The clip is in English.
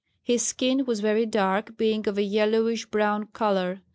His skin was very dark, being of a yellowish brown colour.